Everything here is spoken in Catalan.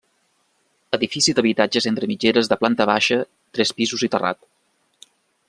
Edifici d'habitatges entre mitgeres de planta baixa, tres pisos i terrat.